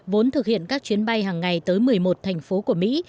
vốn thực hiện các chuyến bay hàng ngày tới một mươi một thành phố của mỹ